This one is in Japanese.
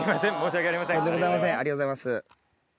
ありがとうございます。